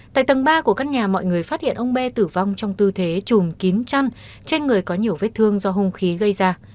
tại tầng ba của căn nhà mọi người phát hiện ông bê tử vong trong tư thế chùm kín chăn trên người có nhiều vết thương do hung khí gây ra